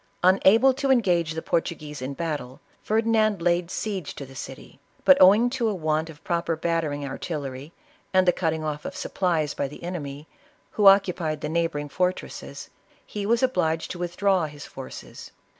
Una ble to engage the Portuguese in battle, Ferdinand laid siege to the city ; but owing to a want of proper bat tering artillery, and the cutting off of supplies by the enemy, who occupied the neighboring fortresses, he was obliged to withdraw his forces.